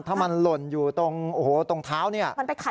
ถ้ามันหล่นอยู่ตรงโอ้โหตรงเท้าเนี่ย